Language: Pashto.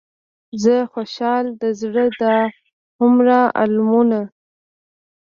زه خوشحال د زړه دا هومره المونه.